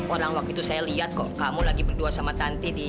orang waktu itu saya lihat kok kamu lagi berdua sama tante di